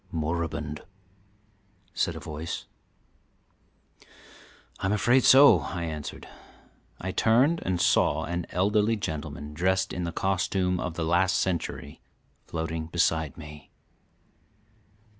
"Moribund," said a voice. "I'm afraid so," I answered. I turned and saw an elderly gentleman, dressed in the costume of the last century, floating beside me.